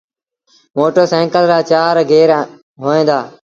موٽر سآئيٚڪل رآ چآر گير هوئين دآ۔